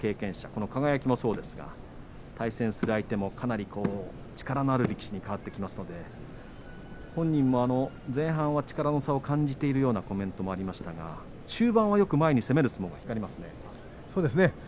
この輝もそうですが対戦する相手もかなり力のある力士に変わってきますので本人は前半、力の差を感じているようなコメントがありましたが終盤は攻める相撲が光りますね。